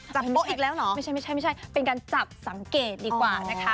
โป๊ะอีกแล้วเหรอไม่ใช่ไม่ใช่เป็นการจับสังเกตดีกว่านะคะ